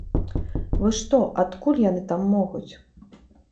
Вы што, адкуль яны там могуць?